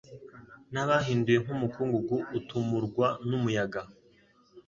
Nabahinduye nk’umukungugu utumurwa n’umuyaga